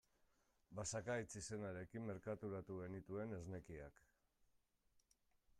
Basakaitz izenarekin merkaturatu genituen esnekiak.